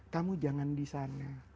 kamu jangan di sana